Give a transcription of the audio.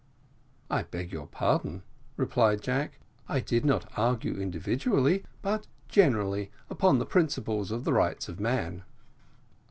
"I beg your pardon," replied Jack, "I did not argue individually, but generally, upon the principles of the rights of man."